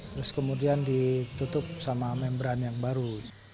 terus kemudian ditutup sama membran yang baru